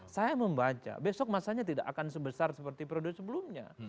saya membaca besok masanya tidak akan sebesar seperti periode sebelumnya